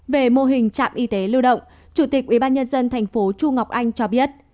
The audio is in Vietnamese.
về mô hình trạm y tế lưu động chủ tịch ubnd tp chu ngọc anh cho biết